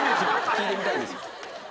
聞いてみたいです。